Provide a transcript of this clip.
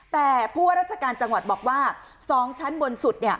แต่ผู้ว่าราชการจังหวัดบอกว่า๒ชั้นบนสุด